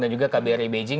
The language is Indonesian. dan juga kbri beijing